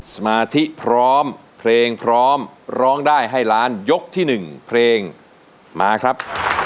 สมาธิพร้อมเพลงพร้อมร้องได้ให้ล้านยกที่๑เพลงมาครับ